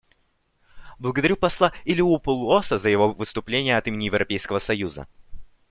Благодарю посла Илиопулоса за его выступление от имени Европейского союза.